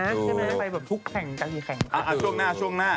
ไม่ได้ไปทุกแข่งกัน